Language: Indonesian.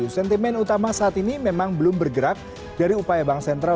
sentimen utama saat ini memang belum bergerak dari upaya bank sentral